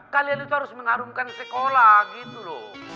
kalian itu harus mengharumkan sekolah gitu loh